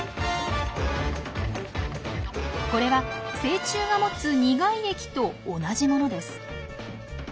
これは成虫が持つ苦い液と同じものです。